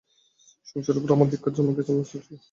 সংসারের উপর আমার ধিক্কার জন্মে গেছে, মেসোমশায়।